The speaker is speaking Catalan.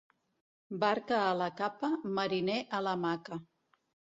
Barca a la capa, mariner a l'hamaca.